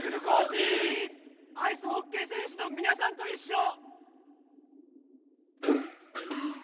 アイスホッケーせんしゅのみなさんといっしょ。